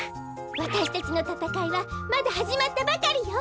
わたしたちのたたかいはまだはじまったばかりよ！